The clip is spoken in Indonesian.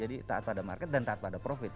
jadi taat pada market dan taat pada profit